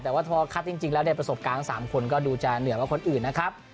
แต่ว่าพอคัดจริงแล้วเนี่ยประสบการณ์ทั้ง๓คนก็ดูจะเหนือกว่าคนอื่นนะครับ